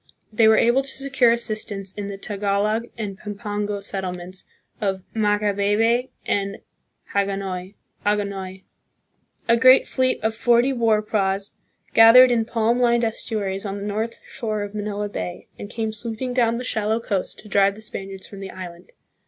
They were able to secure assistance in the Tagalog and Pampango settlements of Macabebe and Hagonoy. A great fleet of forty war praus gathered in palm lined estuaries on the north shore of Manila Bay, and came sweeping down the shallow coast to drive the Spaniards from the island.